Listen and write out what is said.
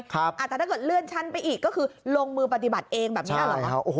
แต่ถ้าเกิดเลื่อนชั้นไปอีกก็คือลงมือปฏิบัติเองแบบนี้เหรอ